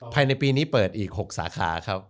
ภายในปีนี้เปิดอีก๖สาขาครับ